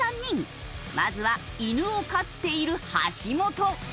まずは犬を飼っている橋本。